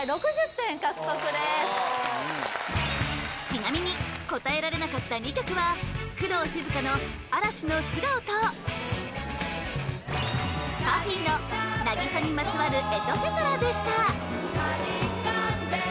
ちなみに答えられなかった２曲は工藤静香の「嵐の素顔」とＰＵＦＦＹの「渚にまつわるエトセトラ」でした